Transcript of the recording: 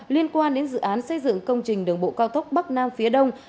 liên quan đến dự án xây dựng công trình đường bộ cao tốc bắc nam phía đông